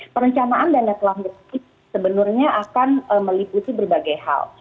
perencanaan dana kelahiran itu sebenarnya akan meliputi berbagai hal